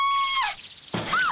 あっ！